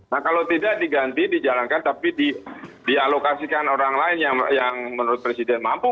nah kalau tidak diganti dijalankan tapi dialokasikan orang lain yang menurut presiden mampu